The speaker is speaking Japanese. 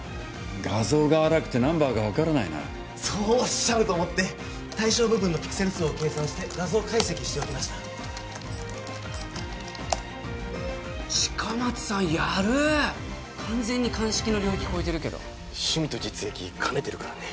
画像が粗くてナンバーが分からないなそうおっしゃると思って対象部分のピクセル数を計算して画像解析しておきました近松さんやる完全に鑑識の領域超えてるけど趣味と実益兼ねてるからね